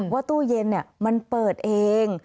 ว่าตู้เย็นมันเปิดเอง